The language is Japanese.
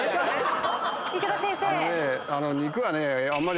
池田先生。